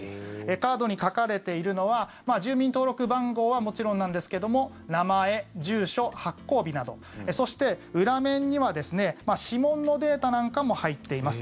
カードに書かれているのは住民登録番号はもちろんですが名前、住所、発行日などそして、裏面には指紋のデータなんかも入っています。